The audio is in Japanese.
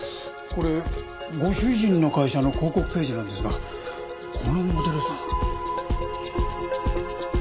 これご主人の会社の広告ページなんですがこのモデルさん。